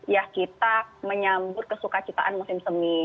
ya kita menyambut kesukaan musim semi